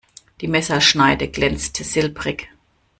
Die Messerschneide glänzte silbrig.